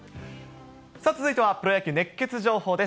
続いてはプロ野球熱ケツ情報です。